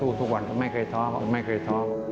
สู้ทุกวันผมไม่เคยทอผมไม่เคยทอ